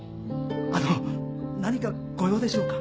あの何かご用でしょうか？